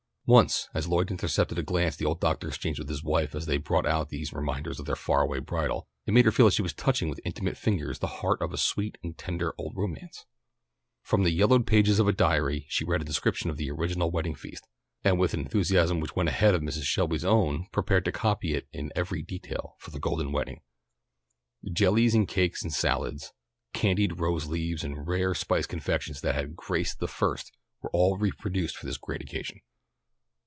Once as Lloyd intercepted a glance the old doctor exchanged with his wife as they brought out these reminders of their far away bridal, it made her feel that she was touching with intimate fingers the heart of a sweet and tender old romance. From the yellowed pages of an old diary, she read a description of the original wedding feast, and with an enthusiasm which went ahead of Mrs. Shelby's own prepared to copy it in every detail for the golden wedding. Jellies and cakes and salads, candied rose leaves and rare spiced confections that had graced the first were all reproduced for this great occasion.